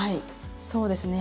そうですね。